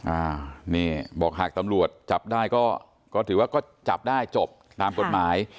อ่านี่บอกหากตำรวจจับได้ก็ก็ถือว่าก็จับได้จบตามกฎหมาย